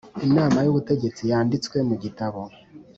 inama y ubutegetsi yanditswe mu gitabo